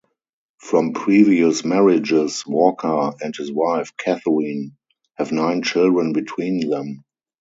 From previous marriages, Walker and his wife, Catherine, have nine children between them.